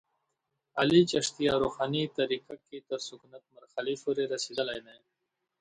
علي چشتیه روحاني طریقه کې تر سکونت مرحلې پورې رسېدلی دی.